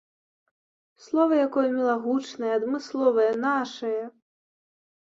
Слова якое мілагучнае, адмысловае, нашае.